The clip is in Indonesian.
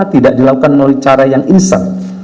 tidak dilakukan melalui cara yang iseng